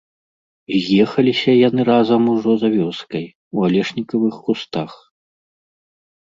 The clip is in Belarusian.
З'ехаліся яны разам ужо за вёскай, у алешнікавых кустах.